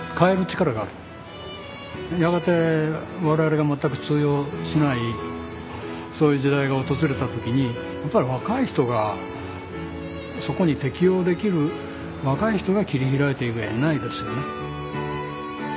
やがて我々が全く通用しないそういう時代が訪れた時にやっぱり若い人がそこに適応できる若い人が切り開いていく以外にないですよね。